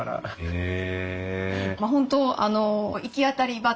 へえ！